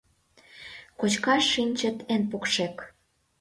Кочкаш шинчыт эн покшек.